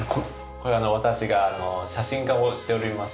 これは私が写真家をしておりまして。